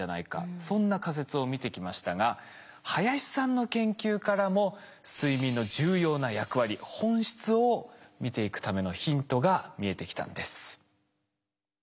そんな仮説を見てきましたが林さんの研究からも睡眠の重要な役割本質を見ていくためのヒントが見えてきたんです。